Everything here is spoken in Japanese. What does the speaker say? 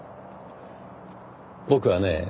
僕はね